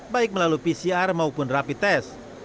baik melalui pcr maupun rapi tes